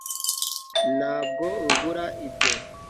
ntabwo ngura ibyo